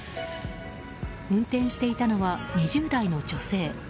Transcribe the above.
運転していたのは２０代の女性。